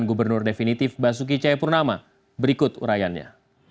dan kebijakan gubernur definitif basuki cahayapurnama berikut uraiannya